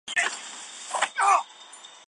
乌尔库特。